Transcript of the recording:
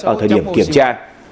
ở thời điểm kiểm tra